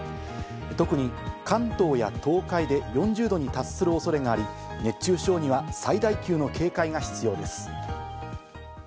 特に関東や東海で４０度に達する恐れがあり、熱中症には最大級の警戒が必要です。